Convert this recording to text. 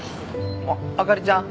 おっあかりちゃん？